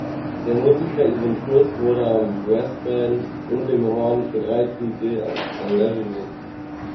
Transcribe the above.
Der Musiker Evan Smith wurde am Brassband und dem Horn für drei Titel engagiert.